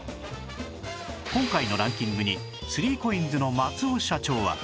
今回のランキングに ３ＣＯＩＮＳ の松尾社長は